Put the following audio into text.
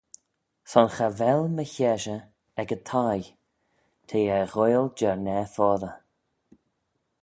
Son cha vel my heshey ec y thie, t'eh er ghoaill jurnah foddey.